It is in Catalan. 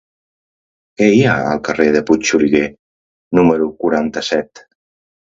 Què hi ha al carrer de Puigxuriguer número quaranta-set?